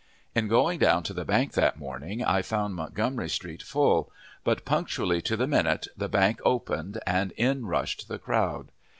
In going down to the bank that morning, I found Montgomery Street full; but, punctually to the minute, the bank opened, and in rushed the crowd.